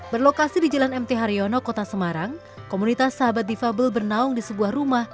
berlokasi di jalan mt haryono kota semarang komunitas sahabat difabel bernaung di sebuah rumah